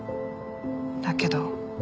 だけど。